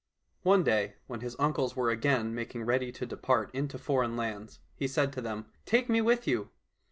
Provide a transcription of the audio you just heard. One day, when his uncles were again making ready to depart into foreign lands, he said to them, " Take me with you